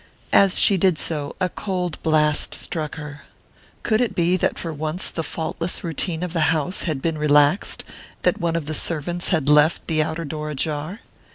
As she did so, a cold blast struck her. Could it be that for once the faultless routine of the house had been relaxed, that one of the servants had left the outer door ajar?